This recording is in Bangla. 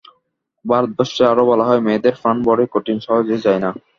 ভারতবর্ষে আরও বলা হয়, মেয়েদের প্রাণ বড়ই কঠিন, সহজে যায় না।